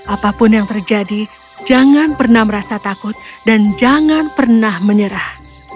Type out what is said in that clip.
apapun yang terjadi jangan pernah merasa takut dan jangan pernah menyerah